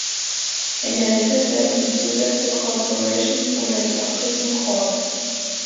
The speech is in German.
In der Regel werden die Zusätze "Corporation" oder die Abkürzung "Corp.